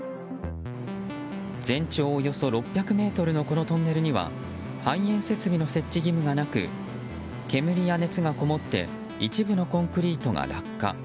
全長およそ６００ｍのこのトンネルには排煙設備の設置義務がなく煙や熱がこもって一部のコンクリートが落下。